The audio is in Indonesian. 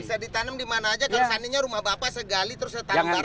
bisa ditanam di mana saja karena rumah bapak segali terus ditanam